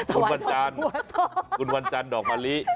คุณวรรจานคุณวรรจานดอกมะลี่